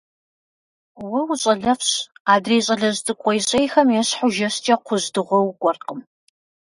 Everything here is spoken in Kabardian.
Уэ ущӀалэфӀщ, адрей щӀалэжь цӀыкӀу къуейщӀейхэм ещхьу жэщкӀэ кхъужь дыгъуэ укӀуэркъым!